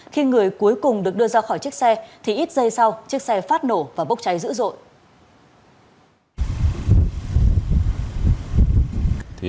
khi người cuối cùng được đưa ra khỏi chiếc xe thì ít giây sau chiếc xe phát nổ và bốc cháy dữ dội